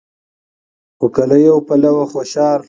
خو که له يوه پلوه خوشال